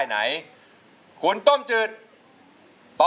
ใช้ครับ